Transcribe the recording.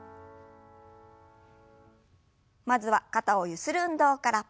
まずは肩をゆする運動から。